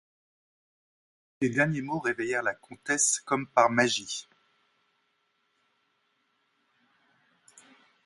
Ces derniers mots réveillèrent la comtesse comme par magie.